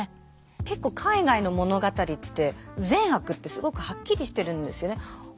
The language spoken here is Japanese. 結構海外の物語って善悪ってすごくはっきりしてるんですよね。